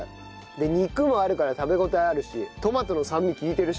で肉もあるから食べ応えあるしトマトの酸味利いてるし。